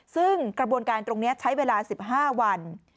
ซึ่งกระบวนการตรงนี้ใช้เวลา๑๕วัน